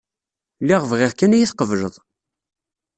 Lliɣ bɣiɣ kan ad iyi-tqebled.